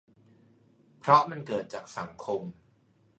เพราะมันเกิดจากสังคม